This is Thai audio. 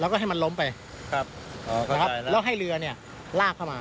แล้วก็ให้มันล้มไปครับนะครับแล้วให้เรือเนี่ยลากเข้ามา